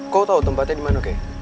kok tau tempatnya dimana kei